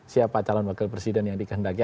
siapa calon wakil presiden yang dikendaki